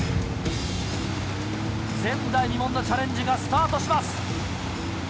前代未聞のチャレンジがスタートします。